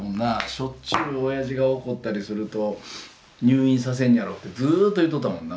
しょっちゅうオヤジが怒ったりすると「入院させんにゃろう」ってずっと言っとったもんな。